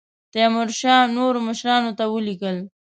تیمورشاه نورو مشرانو ته ولیکل.